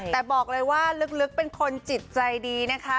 แต่บอกเลยว่าลึกเป็นคนจิตใจดีนะคะ